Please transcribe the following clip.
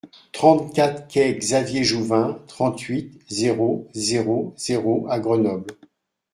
trente-quatre quai Xavier Jouvin, trente-huit, zéro zéro zéro à Grenoble